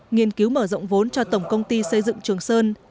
nghiên cứu mở rộng vốn cho tổng công ty xây dựng trường sơn